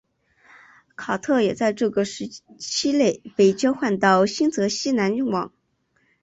卡特也在这个时期内被交换到新泽西篮网。